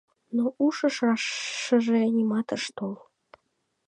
Но ушыш рашыже нимат ыш тол.